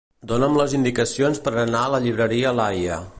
Dona'm les indicacions per anar a la llibreria Laie.